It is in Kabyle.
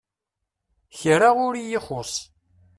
Kra ur iyi-ixus.